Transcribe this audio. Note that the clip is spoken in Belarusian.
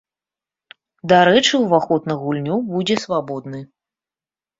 Дарэчы, уваход на гульню будзе свабодны.